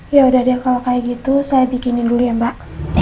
ya udah deh kalau kayak gitu saya bikinin dulu ya mbak